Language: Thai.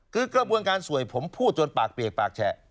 คือกระบวนการสวยผมพูดจนปากเปียกปากแฉะ